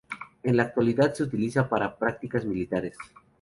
En la actualidad se utiliza para prácticas militares.